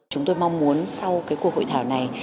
chúng tôi mong muốn sau cuộc hội thảo này